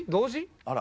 あら！